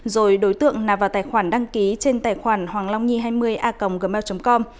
rồi đối tượng nạp vào tài khoản đăng ký trên tài khoản hoanglong hai trăm hai mươi a gmail com